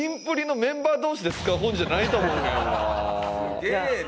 すげえね！